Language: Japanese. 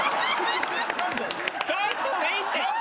帰った方がいいって！